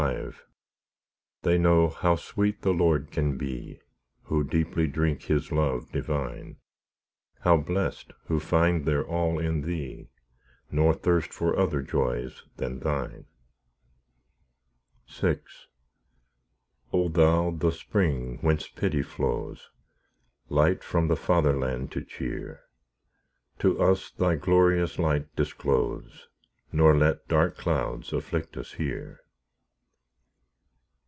V They know how sweet the Lord can be, Who deeply drink His love divine; How blest, who find their all in Thee, Nor thirst for other joys than Thine. VI O Thou the spring whence pity flows! Light from the Fatherland to cheer! To us Thy glorious light disclose, Nor let dark clouds afflict us here.